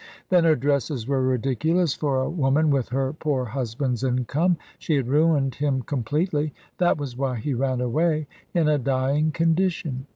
Then her dresses were ridiculous for a woman with her poor husband's income. She had ruined him completely that was why he ran away, in a dying condition.